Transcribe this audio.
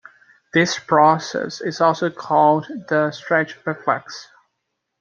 This process is also called the stretch reflex.